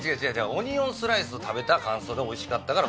オニオンスライスを食べた感想でおいしかったから。